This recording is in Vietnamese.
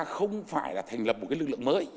không phải là thành lập một cái lực lượng mới